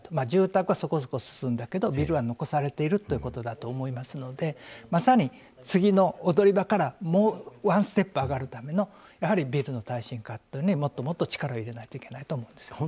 住宅、そこそこ進んだけどビルは残されているということだと思いますのでまさに次の踊り場からもうワンステップ上がるためのビルの耐震化にもっともっと力を入れないといけないと思います。